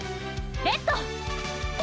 レッド！